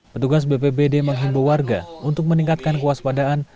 petugas bpbd menghimbau warga untuk meningkatkan kewaspadaan